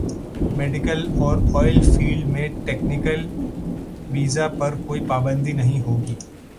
medical اور oil field میں technical visa پر کوئی پابندی نہیں ہوگی